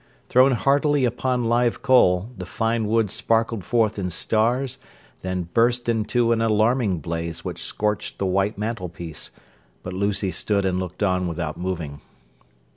Thrown heartily upon live coal, the fine wood sparkled forth in stars, then burst into an alarming blaze which scorched the white mantelpiece, but Lucy stood and looked on without moving.